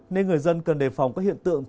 nên người dân cần đề phòng các hiện tượng